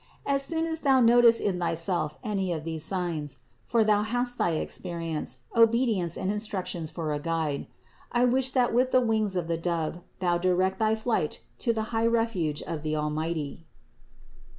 As soon as thou noticest in thyself any of these signs, ( for thou hast thy experience, obedience and instructions for a guide), I wish that with the wings of the dove thou direct thy flight to the high refuge of the Almighty (Ps.